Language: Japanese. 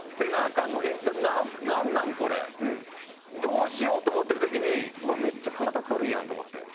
どうしよう」と思ってる時に「うわっめっちゃ体軽いやん」と思って。